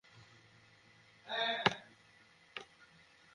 তাই বলে সোভিয়েত যুগ থেকে বেরিয়ে আসা রাশিয়াকেও দূরে ঠেলে দেয়নি ভারত।